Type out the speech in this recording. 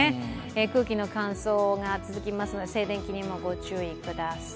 空気の乾燥が続きますので静電気にもご注意ください。